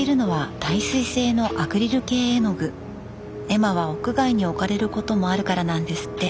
絵馬は屋外に置かれることもあるからなんですって。